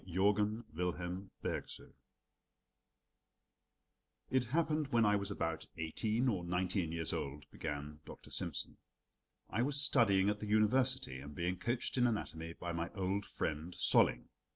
Jorgen Wilhelm Bergsoe The Amputated Arms It happened when I was about eighteen or nineteen years old (began Dr. Simsen). I was studying at the University, and being coached in anatomy by my old friend Solling.